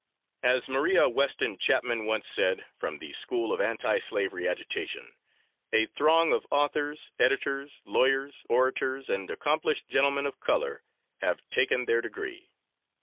As Maria Weston Chapman once said, from the school of anti slavery agitation "a throng of authors, editors, lawyers, orators and accomplished gentlemen of color have taken their degree!